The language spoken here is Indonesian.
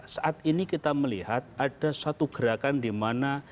saat ini kita melihat ada satu gerakan dimana